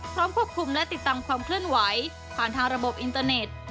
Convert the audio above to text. พร้อมควบคุมและติดตามความเคลื่อนไหวผ่านทางระบบอินเตอร์เน็ต